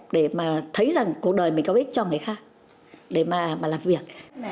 để mà thấy rằng cuộc đời mình có ích cho người khác để mà làm việc